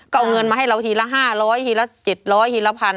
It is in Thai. ก็เอาเงินมาให้เราทีละ๕๐๐ทีละ๗๐๐ทีละพัน